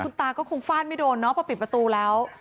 คุณตาก็คงฟาดไม่โดนเนาะพอปิดประตูแล้ว